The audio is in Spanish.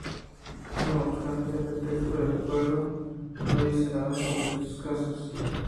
No obstante, el texto del Acuerdo no dice nada sobre estos casos.